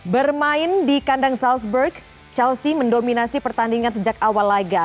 bermain di kandang salzburg chelsea mendominasi pertandingan sejak awal laga